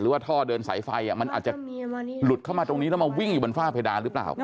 ว่าท่อเดินสายไฟมันอาจจะหลุดเข้ามาตรงนี้แล้วมาวิ่งอยู่บนฝ้าเพดานหรือเปล่า